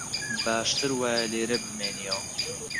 باشتر وایە لێرە بمێنییەوە